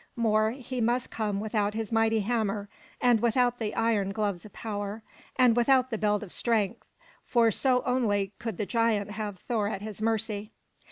More; he must come without his mighty hammer, and without the iron gloves of power, and without the belt of strength; for so only could the giant have Thor at his mercy.